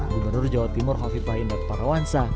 gubernur jawa timur hafifah indert parwansa